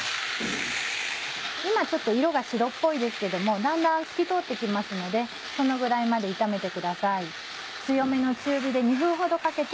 今色が白っぽいですけどもだんだん透き通って来ますのでそのぐらいまで炒めてください。